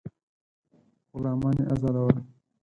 غلامان یې آزادول.